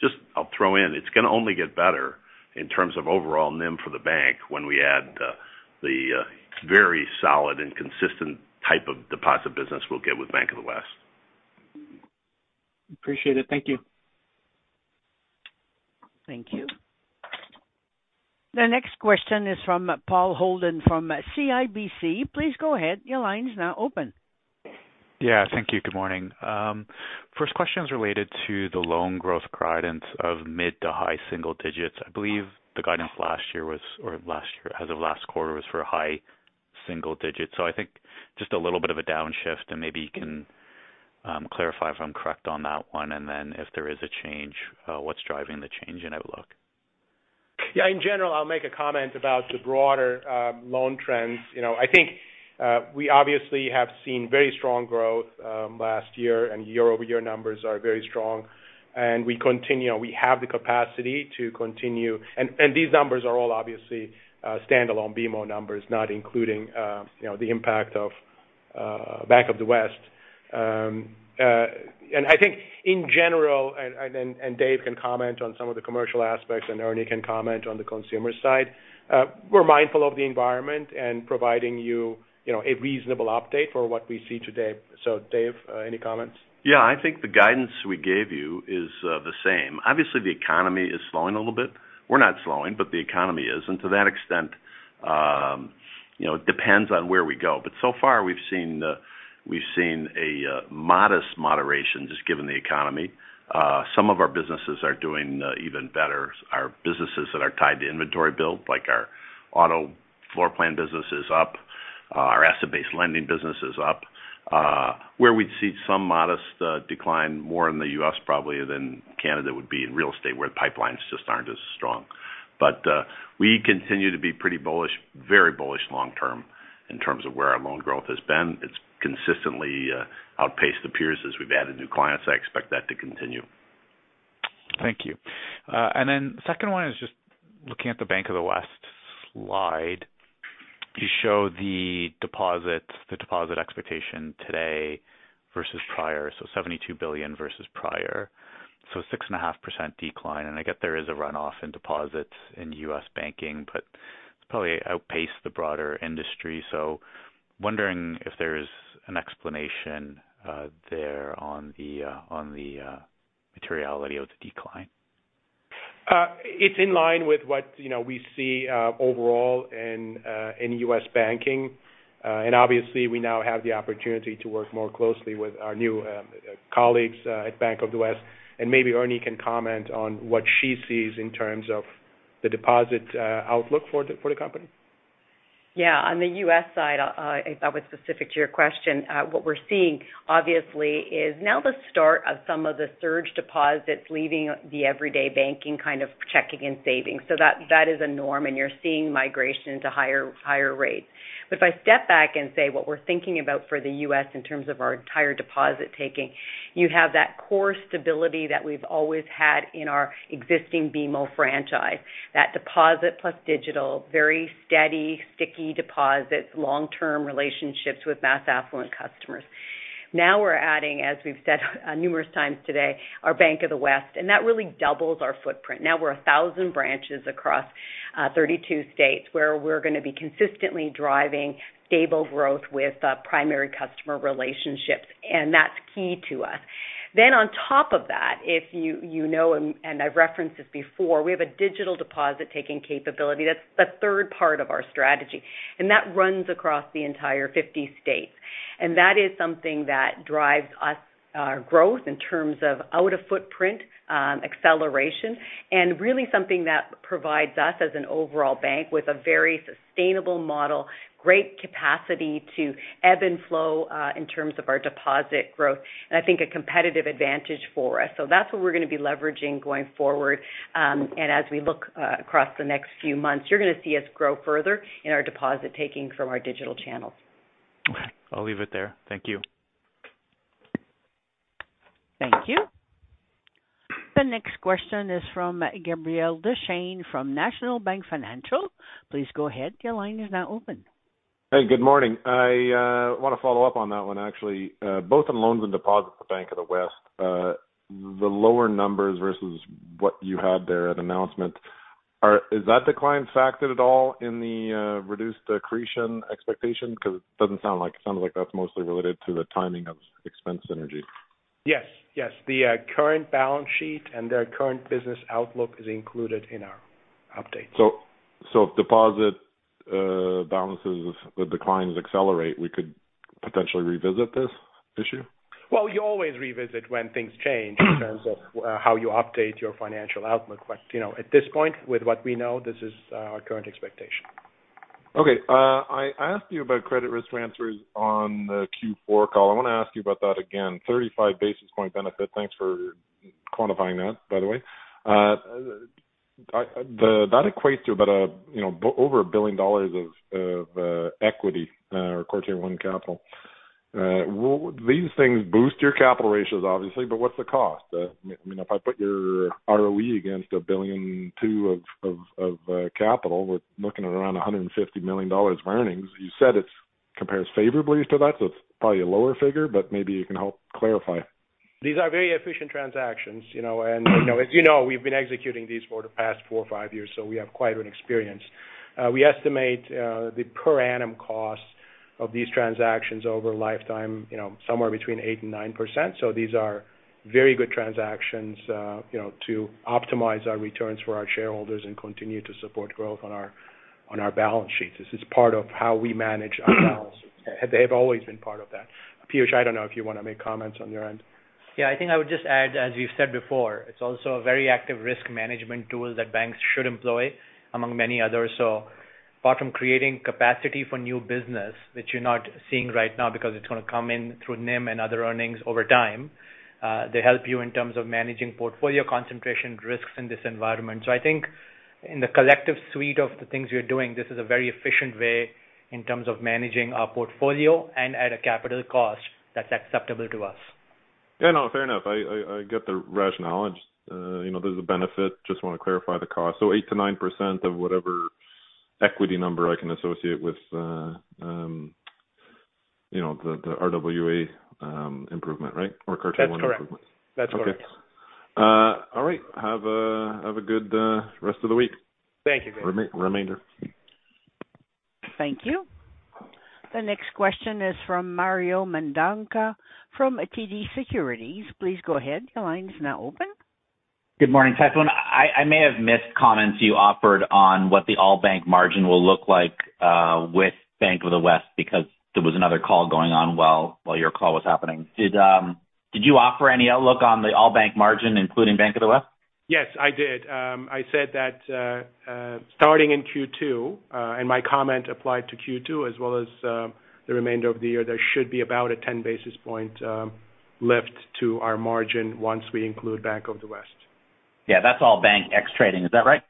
Just I'll throw in, it's gonna only get better in terms of overall NIM for the bank when we add the very solid and consistent type of deposit business we'll get with Bank of the West. Appreciate it. Thank you. Thank you. The next question is from Paul Holden from CIBC. Please go ahead. Your line is now open. Yeah. Thank you. Good morning. First question is related to the loan growth guidance of mid to high single digits. I believe the guidance as of last quarter, was for high single digits. I think just a little bit of a downshift and maybe you can clarify if I'm correct on that one, and then if there is a change, what's driving the change in outlook. In general, I'll make a comment about the broader loan trends. You know, I think we obviously have seen very strong growth last year, and year-over-year numbers are very strong, and we continue. We have the capacity to continue. These numbers are all obviously standalone BMO numbers, not including, you know, the impact of Bank of the West. And I think in general, and Dave can comment on some of the commercial aspects and Ernie can comment on the consumer side. We're mindful of the environment and providing you know, a reasonable update for what we see today. Dave, any comments? I think the guidance we gave you is the same. Obviously, the economy is slowing a little bit. We're not slowing, but the economy is. To that extent, you know, it depends on where we go. So far we've seen a modest moderation just given the economy. Some of our businesses are doing even better. Our businesses that are tied to inventory build, like our auto floor plan business is up. Our asset-based lending business is up. Where we'd see some modest decline more in the U.S. probably than Canada would be in real estate where the pipelines just aren't as strong. We continue to be pretty bullish, very bullish long term in terms of where our loan growth has been. It's consistently outpaced the peers as we've added new clients. I expect that to continue. Thank you. Second one is just looking at the Bank of the West slide. You show the deposits, the deposit expectation today versus prior, $72 billion versus prior. 6.5% decline, I get there is a runoff in deposits in US banking, but it's probably outpaced the broader industry. Wondering if there's an explanation there on the materiality of the decline. It's in line with what, you know, we see overall in U.S. banking. Obviously we now have the opportunity to work more closely with our new colleagues at Bank of the West, and maybe Ernie can comment on what she sees in terms of the deposit outlook for the company. Yeah. On the U.S. side, if that was specific to your question, what we're seeing obviously is now the start of some of the surge deposits leaving the everyday banking kind of checking and savings. That is a norm and you're seeing migration to higher rates. If I step back and say what we're thinking about for the U.S. in terms of our entire deposit taking, you have that core stability that we've always had in our existing BMO franchise. That deposit plus digital, very steady, sticky deposits, long-term relationships with mass affluent customers. Now we're adding, as we've said, numerous times today, our Bank of the West, and that really doubles our footprint. Now we're 1,000 branches across 32 states where we're gonna be consistently driving stable growth with primary customer relationships. That's key to us. On top of that, if you know and I've referenced this before, we have a digital deposit taking capability. That's the third part of our strategy, that runs across the entire 50 states. That is something that drives us our growth in terms of out of footprint, acceleration, and really something that provides us as an overall bank with a very sustainable model, great capacity to ebb and flow, in terms of our deposit growth, and I think a competitive advantage for us. That's what we're gonna be leveraging going forward. As we look across the next few months, you're gonna see us grow further in our deposit taking from our digital channels. Okay. I'll leave it there. Thank you. Thank you. The next question is from Gabriel Dechaine from National Bank Financial. Please go ahead. Your line is now open. Hey, good morning. I wanna follow up on that one, actually. Both on loans and deposits at Bank of the West, the lower numbers versus what you had there at announcement. Is that decline factored at all in the reduced accretion expectation? 'Cause it doesn't sound like it. It sounds like that's mostly related to the timing of expense synergy. Yes. Yes. The current balance sheet and their current business outlook is included in our update. If deposit balances with declines accelerate, we could potentially revisit this issue? Well, you always revisit when things change in terms of how you update your financial outlook. You know, at this point, with what we know, this is our current expectation. Okay. I asked you about credit risk transfers on the Q4 call. I wanna ask you about that again. 35 basis point benefit. Thanks for quantifying that, by the way. That equates to about, you know, over $1 billion of equity, or Q1 capital. Would these things boost your capital ratios, obviously, but what's the cost? I mean, if I put your ROE against $1.2 billion of capital, we're looking at around $150 million of earnings. You said it compares favorably to that, so it's probably a lower figure, but maybe you can help clarify. These are very efficient transactions, you know, and, you know, as you know, we've been executing these for the past four or five years, we have quite an experience. We estimate the per annum costs of these transactions over lifetime, you know, somewhere between 8% and 9%. These are very good transactions, you know, to optimize our returns for our shareholders and continue to support growth on our, on our balance sheets. This is part of how we manage our balance sheets. They have always been part of that. Piyush, I don't know if you wanna make comments on your end. Yeah. I think I would just add, as we've said before, it's also a very active risk management tool that banks should employ among many others. Apart from creating capacity for new business, which you're not seeing right now because it's gonna come in through NIM and other earnings over time, they help you in terms of managing portfolio concentration risks in this environment. I think in the collective suite of the things we are doing, this is a very efficient way in terms of managing our portfolio and at a capital cost that's acceptable to us. Yeah. No. Fair enough. I, I get the rationale. Just, you know, there's a benefit. Just wanna clarify the cost. 8%-9% of whatever equity number I can associate with, you know, the RWA improvement, right? Or quarter one improvement. That's correct. That's correct. Okay. all right. Have a good rest of the week. Thank you. Re-remainder. Thank you. The next question is from Mario Mendonca from TD Securities. Please go ahead. Your line is now open. Good morning, Tyrone. I may have missed comments you offered on what the all bank margin will look like, with Bank of the West because there was another call going on while your call was happening. Did you offer any outlook on the all bank margin including Bank of the West? Yes, I did. I said that, starting in Q2, my comment applied to Q2 as well as the remainder of the year, there should be about a 10 basis point lift to our margin once we include Bank of the West. Yeah, that's all bank X trading. Is that right?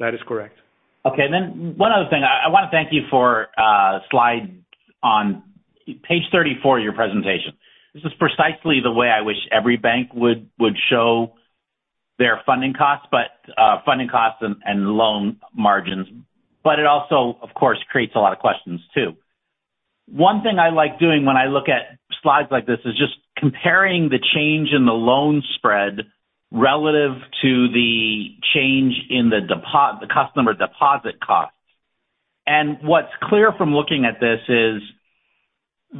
That is correct. One other thing. I wanna thank you for slide on page 34 of your presentation. This is precisely the way I wish every bank would show their funding costs, funding costs and loan margins. It also, of course, creates a lot of questions too. One thing I like doing when I look at slides like this is just comparing the change in the loan spread relative to the change in the customer deposit costs. What's clear from looking at this is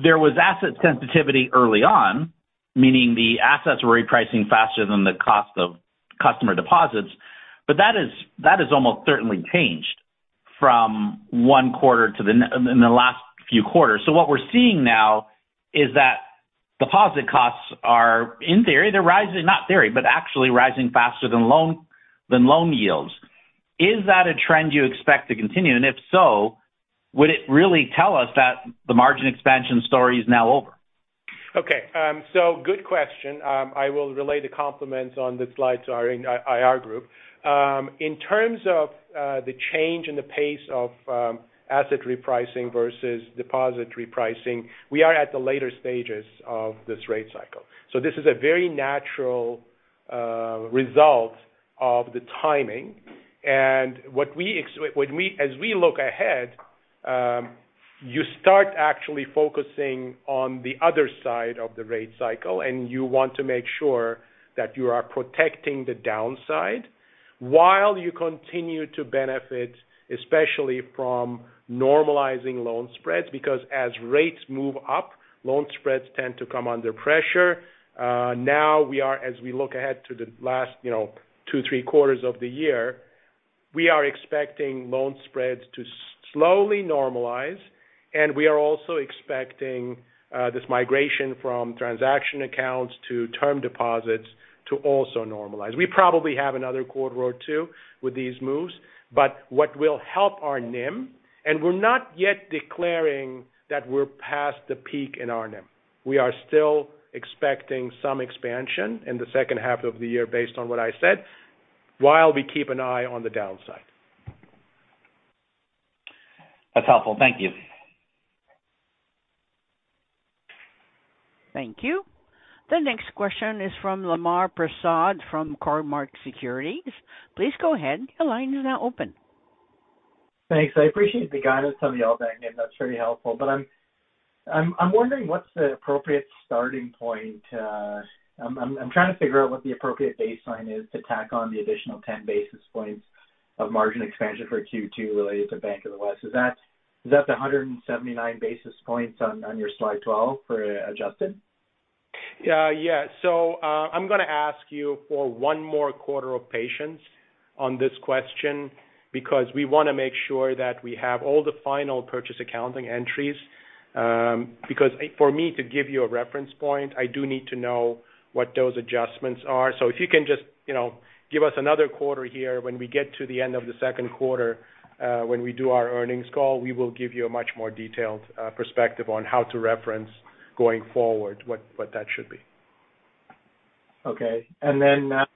there was asset sensitivity early on, meaning the assets were repricing faster than the cost of customer deposits. That is almost certainly changed from one quarter to the in the last few quarters. What we're seeing now is that deposit costs are in theory they're rising, not theory, but actually rising faster than loan yields. Is that a trend you expect to continue? If so, would it really tell us that the margin expansion story is now over? Okay. Good question. I will relay the compliments on this slide to our IR group. In terms of the change in the pace of asset repricing versus deposit repricing. We are at the later stages of this rate cycle. This is a very natural, result of the timing. As we look ahead, you start actually focusing on the other side of the rate cycle, you want to make sure that you are protecting the downside while you continue to benefit, especially from normalizing loan spreads. As rates move up, loan spreads tend to come under pressure. Now we are as we look ahead to the last, you know, two, three quarters of the year, we are expecting loan spreads to slowly normalize. We are also expecting this migration from transaction accounts to term deposits to also normalize. We probably have another quarter or two with these moves. What will help our NIM. We're not yet declaring that we're past the peak in our NIM. We are still expecting some expansion in the second half of the year based on what I said, while we keep an eye on the downside. That's helpful. Thank you. Thank you. The next question is from Lemar Persaud from Cormark Securities. Please go ahead. Your line is now open. Thanks. I appreciate the guidance on the all bank, and that's very helpful. I'm wondering what's the appropriate starting point, I'm trying to figure out what the appropriate baseline is to tack on the additional 10 basis points of margin expansion for Q2 related to Bank of the West. Is that the 179 basis points on your slide 12 for adjusted? I'm gonna ask you for one more quarter of patience on this question because we wanna make sure that we have all the final purchase accounting entries. Because for me to give you a reference point, I do need to know what those adjustments are. If you can just, you know, give us another quarter here when we get to the end of the second quarter, when we do our earnings call, we will give you a much more detailed perspective on how to reference going forward what that should be. Okay. I want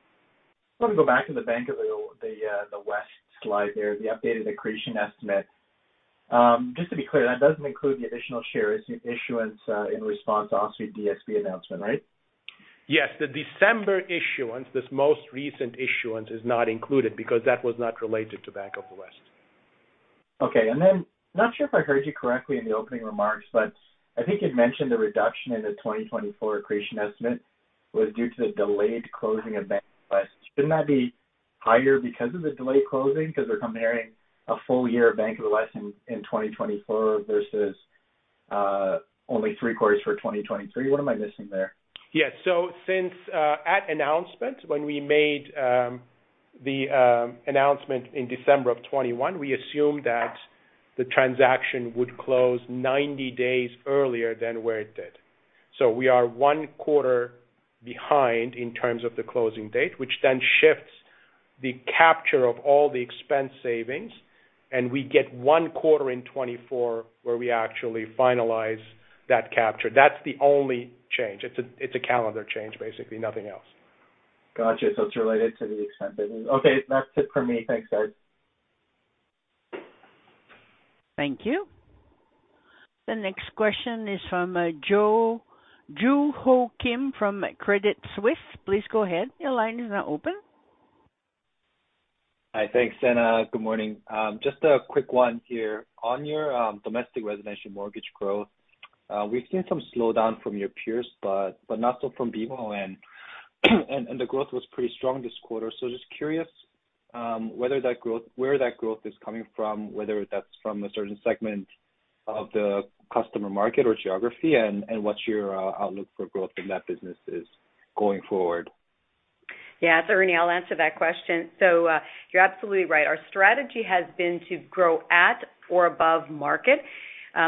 to go back to the Bank of the West slide there, the updated accretion estimate. Just to be clear, that doesn't include the additional shares issuance in response to OSFI DSB announcement, right? Yes. The December issuance, this most recent issuance is not included because that was not related to Bank of the West. Okay. Not sure if I heard you correctly in the opening remarks, but I think you'd mentioned the reduction in the 2024 accretion estimate was due to the delayed closing of Bank of the West. Shouldn't that be higher because of the delayed closing? 'Cause they're comparing a full year of Bank of the West in 2024 versus only 3 quarters for 2023. What am I missing there? Yes. since at announcement when we made the announcement in December of 2021, we assumed that the transaction would close 90 days earlier than where it did. We are one quarter behind in terms of the closing date, which then shifts the capture of all the expense savings, and we get one quarter in 2024 where we actually finalize that capture. That's the only change. It's a, it's a calendar change, basically nothing else. Gotcha. It's related to the expense business. Okay, that's it for me. Thanks, guys. Thank you. The next question is from Joo Ho Kim from Credit Suisse. Please go ahead. Your line is now open. Hi. Thanks, Anna. Good morning. Just a quick one here. On your domestic residential mortgage growth, we've seen some slowdown from your peers, but not so from BMO. The growth was pretty strong this quarter. Just curious where that growth is coming from, whether that's from a certain segment of the customer market or geography, and what's your outlook for growth in that businesses going forward? Yeah. Ernie, I'll answer that question. You're absolutely right. Our strategy has been to grow at or above market.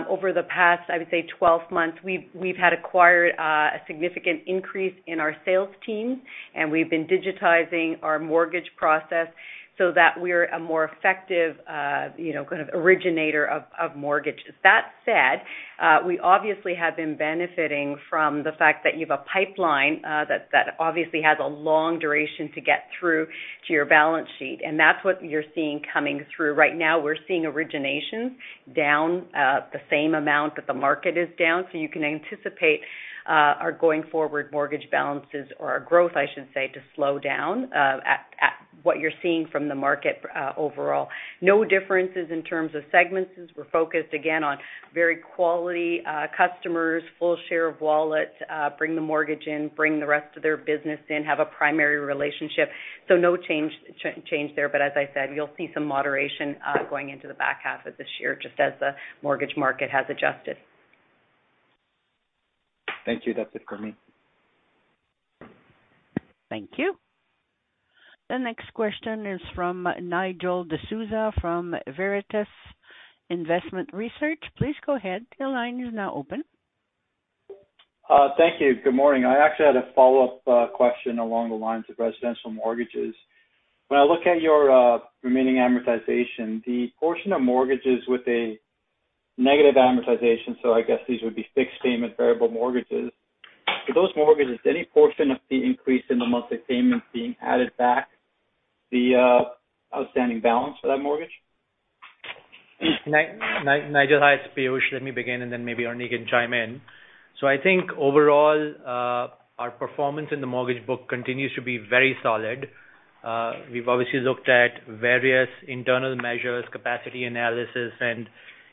Over the past, I would say 12 months, we've had acquired a significant increase in our sales teams, and we've been digitizing our mortgage process so that we're a more effective, you know, kind of originator of mortgages. That said, we obviously have been benefiting from the fact that you have a pipeline that obviously has a long duration to get through to your balance sheet, and that's what you're seeing coming through. Right now we're seeing originations down the same amount that the market is down. You can anticipate our going forward mortgage balances or our growth, I should say, to slow down at what you're seeing from the market overall. No differences in terms of segments, since we're focused again on very quality customers, full share of wallet, bring the mortgage in, bring the rest of their business in, have a primary relationship. No change there. As I said, you'll see some moderation going into the back half of this year, just as the mortgage market has adjusted. Thank you. That's it for me. Thank you. The next question is from Nigel D'Souza from Veritas Investment Research. Please go ahead. The line is now open. Thank you. Good morning. I actually had a follow-up question along the lines of residential mortgages. When I look at your remaining amortization, the portion of mortgages with a negative amortization, so I guess these would be fixed payment variable mortgages. For those mortgages, any portion of the increase in the monthly payments being added back the outstanding balance for that mortgage? Nigel, hi, it's Piyush. Let me begin, then maybe Ernie can chime in. I think overall, our performance in the mortgage book continues to be very solid. We've obviously looked at various internal measures, capacity analysis.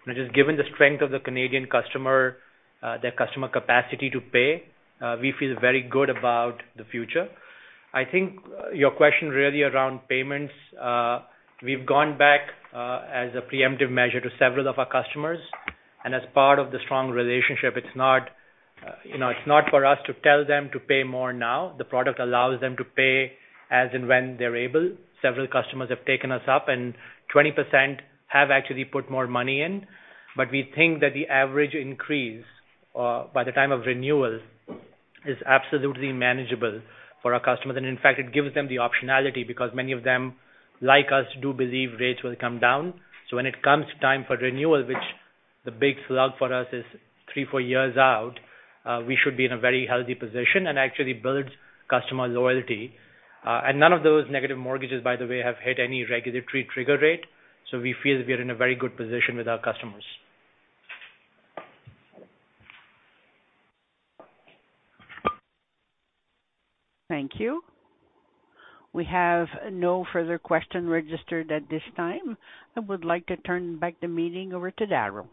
Just given the strength of the Canadian customer, their customer capacity to pay, we feel very good about the future. I think your question really around payments, we've gone back as a preemptive measure to several of our customers. As part of the strong relationship, it's not, you know, it's not for us to tell them to pay more now. The product allows them to pay as and when they're able. Several customers have taken us up, and 20% have actually put more money in. We think that the average increase by the time of renewal is absolutely manageable for our customers. In fact, it gives them the optionality because many of them, like us, do believe rates will come down. When it comes time for renewal, which the big slug for us is three, four years out, we should be in a very healthy position and actually builds customer loyalty. None of those negative mortgages, by the way, have hit any regulatory trigger rate. We feel we're in a very good position with our customers. Thank you. We have no further question registered at this time. I would like to turn back the meeting over to Darryl.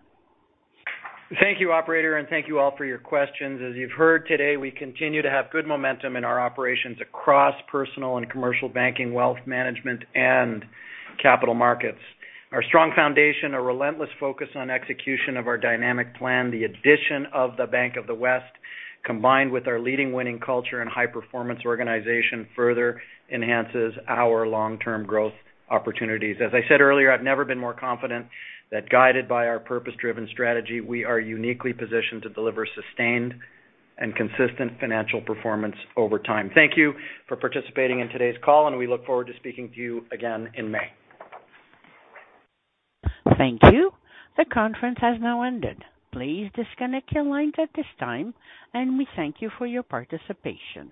Thank you, operator. Thank you all for your questions. As you've heard today, we continue to have good momentum in our operations across personal and commercial banking, wealth management and capital markets. Our strong foundation, our relentless focus on execution of our dynamic plan, the addition of the Bank of the West, combined with our leading winning culture and high-performance organization, further enhances our long-term growth opportunities. As I said earlier, I've never been more confident that guided by our purpose-driven strategy, we are uniquely positioned to deliver sustained and consistent financial performance over time. Thank you for participating in today's call. We look forward to speaking to you again in May. Thank you. The conference has now ended. Please disconnect your lines at this time, and we thank you for your participation.